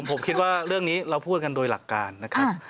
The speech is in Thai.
ผมคิดว่าเรื่องนี้เราพูดกันโดยหลักการนะครับ